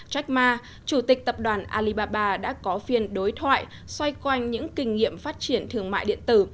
trách ma chủ tịch tập đoàn alibaba đã có phiên đối thoại xoay quanh những kinh nghiệm phát triển thương mại điện tử